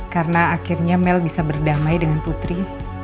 karena akhirnya mel bisa berdamai dengan putri